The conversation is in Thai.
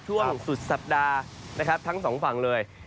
ช่วงสุดสัปดาห์นะครับทั้งสองฝั่งเลย